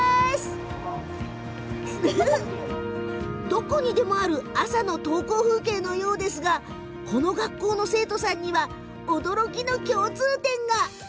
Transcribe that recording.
どこにでもある朝の登校風景のようですがこの学校の生徒さんには驚きの共通点が。